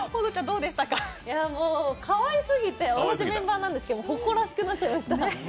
かわいすぎて、同じメンバーなんですけど、誇らしくなっちゃいました。